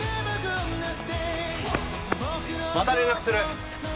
また連絡する！